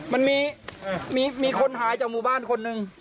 มันมีคนหายจากหมู่บ้านคนหนึ่ง